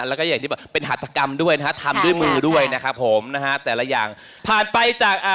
แล้วก็เป็นหารตรกรรมด้วยนะฮะทำด้วยมือด้วยนะครับผมโคระนะฮะ